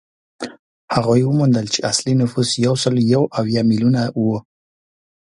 هغوی وموندل چې اصلي نفوس یو سل یو اویا میلیونه وو.